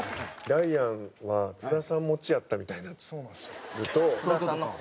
ダイアンは津田さん持ちやったみたいになると。